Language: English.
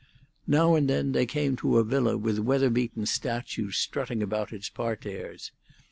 Now and then they came to a villa with weather beaten statues strutting about its parterres.